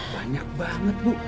banyak banget bu